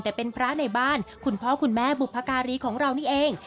แต่เป็นพระในบ้านคุณพ่อคุณแม่บุพการีของเรานี่เอง